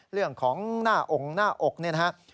เรื่องของหน้าองค์หน้าอกเนี่ยนะครับ